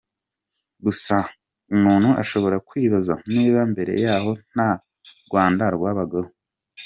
Gusa umuntu ashobora kwibaza niba mbere yaho nta Rwanda rwabagaho.